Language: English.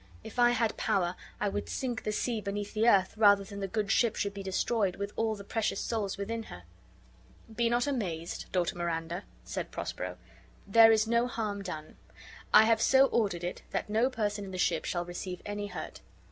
If I had power I would sink the sea beneath the earth, rather than the good ship should be destroyed, with all the precious souls within her." "Be not amazed, daughter Miranda," said Prospero; "there. is no harm done. I have so ordered it, that no person in the ship shall receive any hurt.